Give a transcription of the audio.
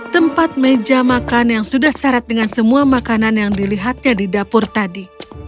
tempat meja makan yang sudah syarat dengan semua makanan yang dilihatnya di dapur tadi